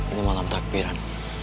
ini malam takbiran